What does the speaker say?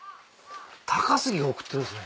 高杉が贈ってるんですね。